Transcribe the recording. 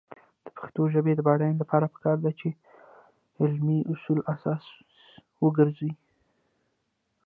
د پښتو ژبې د بډاینې لپاره پکار ده چې علمي اصول اساس وګرځي.